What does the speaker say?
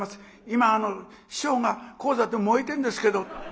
今師匠が高座で燃えてんですけど」。